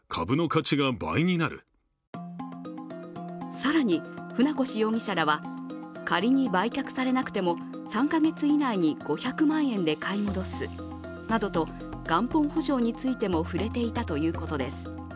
更に船越容疑者らは、仮に売却されなくても３か月以内に５００万円で買い戻すなどと元本保証についても触れていたということです